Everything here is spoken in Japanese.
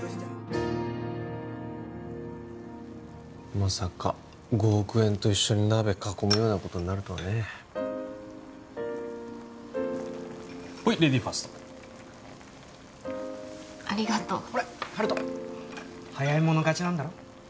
まさか５億円と一緒に鍋囲むようなことになるとはねほいレディーファーストありがとうほら温人早い者勝ちなんだろ